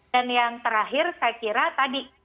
dan yang terakhir saya kira tadi